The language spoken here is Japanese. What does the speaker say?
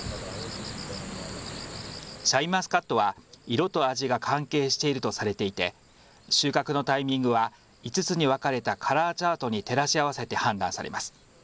シャインマスカットは色と味が関係しているとされていて収穫のタイミングは５つに分かれたカラーチャートに照らし合わせて判断されます。